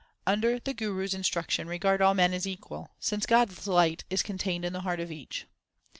Under the Guru s instruction regard all men as equal, since God s light is contained in the heart of each.